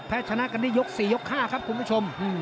แพ้ชนะกันได้ยกสี่ยกห้าครับคุณผู้ชม